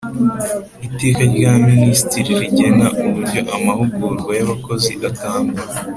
Iteka rya Minisitiri rigena uburyo amahugurwa y abakozi atangwa